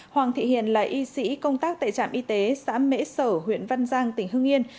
hoàng thị hiền là y sĩ công tác tại trạm y tế xã mễ sở huyện văn giang tỉnh hưng yên